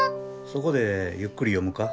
そこでゆっくり読むか？